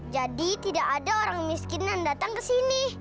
jadi tidak ada orang miskin yang datang ke sini